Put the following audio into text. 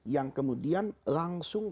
yang kemudian langsung